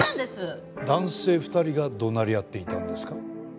男性２人が怒鳴り合っていたんですか？